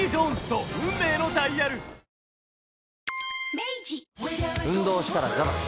明治運動したらザバス。